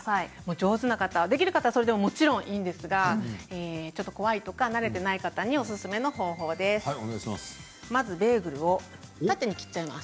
上手な方、できる方はそれでもいいんですが怖いとか、慣れていない方におすすめの方法があります。